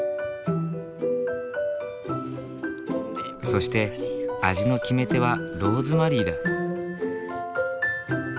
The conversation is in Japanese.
そして味の決め手はローズマリーだ。